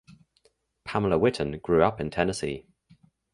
Pamela Whitten grew up in Tennessee.